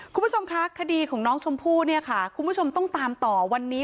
คุณผู้ชมคะคดีของน้องชมพู่เนี่ยค่ะคุณผู้ชมต้องตามต่อวันนี้